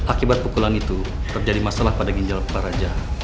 akibat pukulan itu terjadi masalah pada ginjal para raja